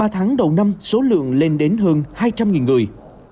ba tháng đầu năm số lượng lên đến hơn hai trăm linh người